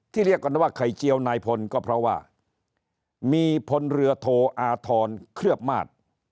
เรียกกันว่าไข่เจียวนายพลก็เพราะว่ามีพลเรือโทอาธรณ์เคลือบมาตร